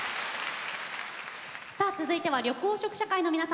さあ続いては緑黄色社会の皆さん